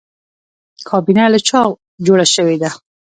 کابینه له چا جوړه شوې ده؟